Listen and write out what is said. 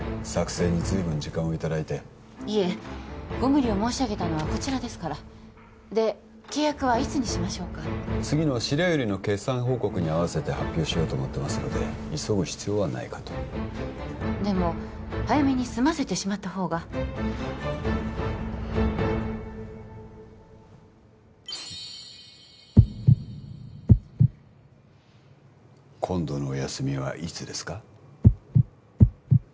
作成に随分時間をいただいていえご無理を申し上げたのはこちらですからで契約はいつにしましょうか次の白百合の決算報告に合わせて発表しようと思ってますので急ぐ必要はないかとでも早めに済ませてしまったほうが今度のお休みはいつですか？